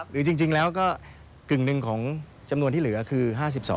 หรือจริงแล้วก็กึ่งหนึ่งของจำนวนที่เหลือคือ๕๒